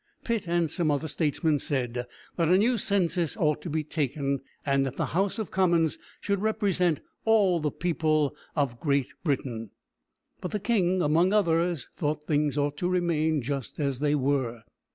Pitt and some other statesmen said that a new census ought to be taken, and that the House of Commons should represent all the people of Great Britain; but the king, among others, thought things ought to remain just as they were.